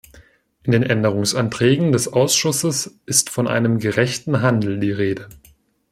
In den Änderungsanträgen des Ausschusses ist von einem "gerechten Handel" die Rede.